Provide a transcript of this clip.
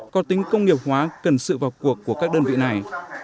có tính công nghiệp hóa cần sự vào cuộc của các đơn vị này